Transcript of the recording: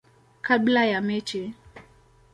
kabla ya mechi.